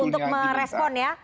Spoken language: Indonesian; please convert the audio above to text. untuk merespon ya